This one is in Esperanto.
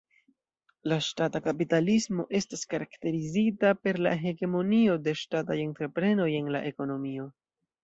La Ŝtata kapitalismo estas karakterizita per la hegemonio de ŝtataj entreprenoj en la ekonomio.